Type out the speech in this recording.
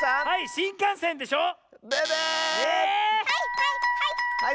はいはいはい！